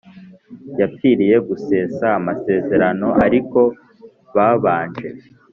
yapfiriye gusesa amasezerano ariko babanje